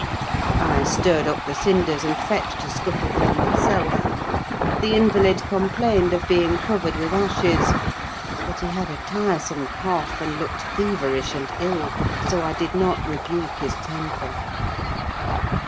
I stirred up the cinders, and fetched a scuttleful myself. The invalid complained of being covered with ashes; but he had a tiresome cough, and looked feverish and ill, so I did not rebuke his temper.